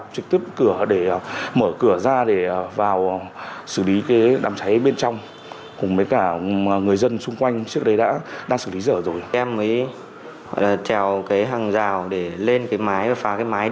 sức khỏe chín ngư dân đã ổn định